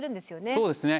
そうですね。